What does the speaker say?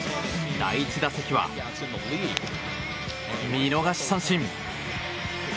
第１打席は見逃し三振。